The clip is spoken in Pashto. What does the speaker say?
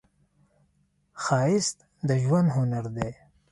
ښایست د ژوند هنر دی